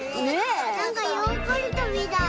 なんかヨーグルトみたい。